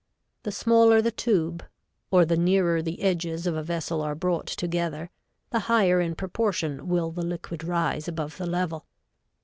The smaller the tube, or the nearer the edges of a vessel are brought together, the higher in proportion will the liquid rise above the level.